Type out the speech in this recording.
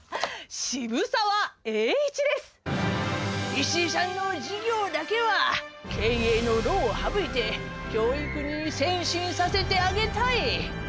『石井さんの事業だけは経営の労を省いて教育に専心させてあげたい』」。